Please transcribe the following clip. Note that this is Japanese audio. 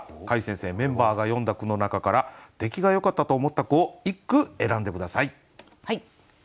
櫂先生メンバーが詠んだ句の中から出来がよかったと思った句を１句選んで下さい。